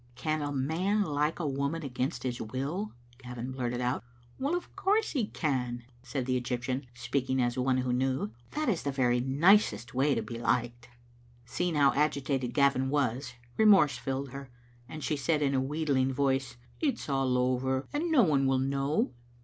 "Can a man like a woman against his will?" Gavin blurted out. "Of course he can," said the Egyptian, speaking ad one who knew. " That is the very nicest way to be liked. '* Seeing how agitated Gavin was, remorse filled her^ and she said in a wheedling voice —" It is all over, and no one will know."